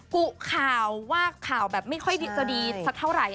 กุข่าวว่าข่าวแบบไม่ค่อยจะดีสักเท่าไหร่